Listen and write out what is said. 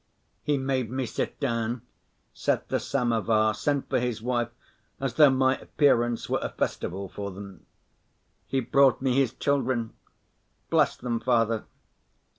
He made me sit down, set the samovar, sent for his wife, as though my appearance were a festival for them. He brought me his children: "Bless them, Father."